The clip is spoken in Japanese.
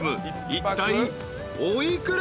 ［いったいお幾ら？］